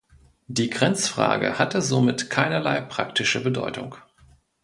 Die Grenzfrage hatte somit keinerlei praktische Bedeutung.